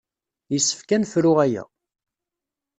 Yessefk ad nefru aya.